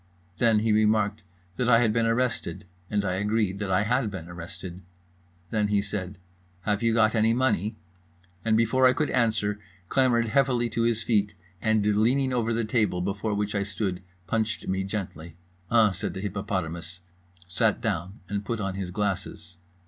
Then he remarked that I had been arrested, and I agreed that I had been arrested. Then he said "Have you got any money?" and before I could answer clambered heavily to his feet and, leaning over the table before which I stood, punched me gently. "Uh," said the hippopotamus, sat down, and put on his glasses.